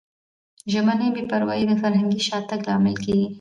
ژبني بې پروایي د فرهنګي شاتګ لامل کیږي.